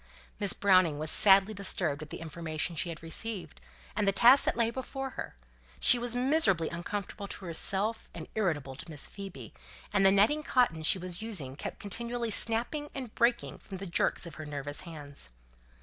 Miss Browning was sadly disturbed at the information she had received, and the task that lay before her; she was miserably uncomfortable to herself and irritable to Miss Phoebe, and the netting cotton she was using kept continually snapping and breaking from the jerks of her nervous hands.